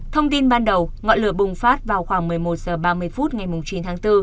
thông tin ban đầu ngọn lửa bùng phát vào khoảng một mươi một h ba mươi phút ngày chín tháng bốn